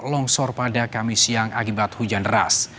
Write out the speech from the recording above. longsor pada kamis siang akibat hujan deras